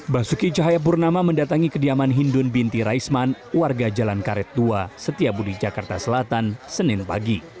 basuki cahayapurnama mendatangi kediaman hindun binti raisman warga jalan karet dua setiabudi jakarta selatan senin pagi